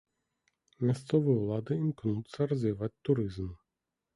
Мясцовыя ўлады імкнуцца развіваць турызм.